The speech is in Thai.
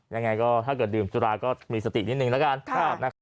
ยังไงก็ถ้าเกิดดื่มจุราก็มีสตินิดนึงละกัน